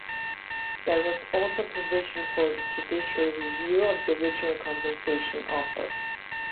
There was also provision for judicial review of the original compensation offer.